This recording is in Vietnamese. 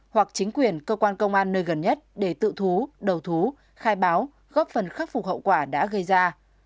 hoặc chính quyền cơ quan công an nơi gần nhất để tự thú đầu thú khai báo góp phần khắc phục hậu quả đã gây ra